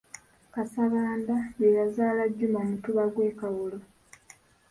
Kaasabbanda ye yazaala Juma Omutuba gw'e Kawolo.